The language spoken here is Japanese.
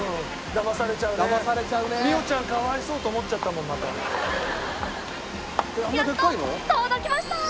美桜ちゃんかわいそうと思っちゃったもんまた。